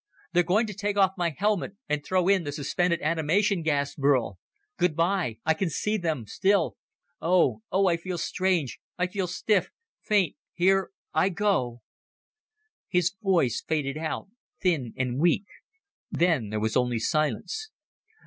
"They're going to take off my helmet and throw in the suspended animation gas, Burl. Good by. I can see them still. Oh ... oh, I feel strange, I feel stiff, faint ... here ... I ... go...." His voice faded out, thin and weak. Then there was only silence.